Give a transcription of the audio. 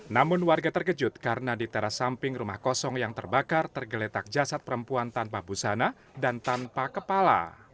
namun warga terkejut karena di teras samping rumah kosong yang terbakar tergeletak jasad perempuan tanpa busana dan tanpa kepala